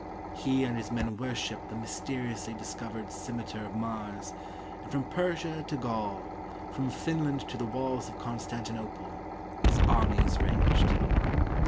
He and his men worshiped the mysteriously discovered scimitar of Mars, and from Persia to Gaul, from Finland to the walls of Constantinople, his armies ranged.